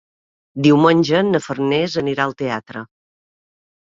Diumenge na Farners anirà al teatre.